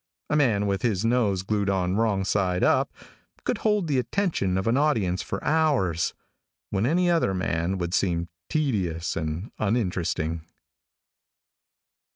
A man with his nose glued on wrong side up, could hold the attention of an audience for hours, when any other man would seem tedious and uninteresting.